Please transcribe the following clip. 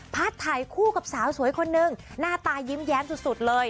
ถ่ายคู่กับสาวสวยคนนึงหน้าตายิ้มแย้มสุดเลย